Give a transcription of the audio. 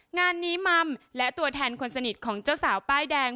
งานนี้มัมและตัวแทนคนสนิทของเจ้าสาวป้ายแดง